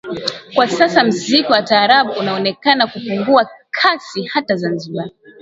Kwa sasa mziki wa taarabu unaonekana kupungua kasi hata zanzibar